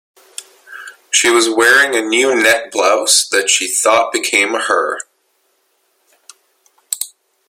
She was wearing a new net blouse that she thought became her.